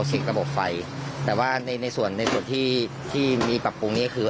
เช็คระบบไฟแต่ว่าในส่วนที่มีปรับปรุงนี้คือ